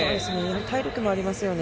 体力もありますよね。